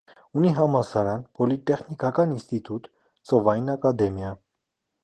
Ունի համալսարան, պոլիտեխնիկական ինստիտուտ, ծովային ակադեմիա։